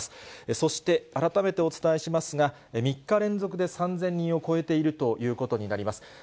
そして、改めてお伝えしますが、３日連続で３０００人を超えているということになります。